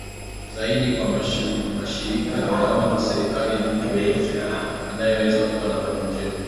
zaidi kwa mashariki ninaomba serikali na mtu yeyote anayeweza kuwa na roho njema